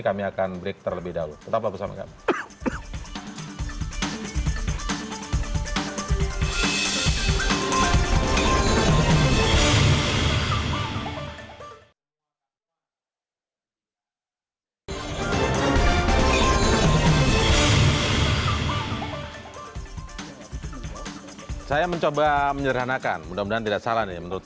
kami akan break terlebih dahulu